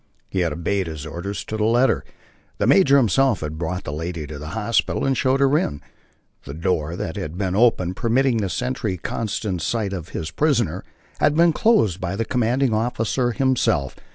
He had obeyed his orders to the letter. The major himself had brought the lady to the hospital and showed her in. The door that had been open, permitting the sentry constant sight of his prisoner, had been closed by the commanding officer himself.